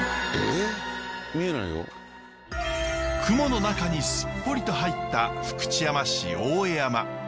雲の中にすっぽりと入った福知山市大江山。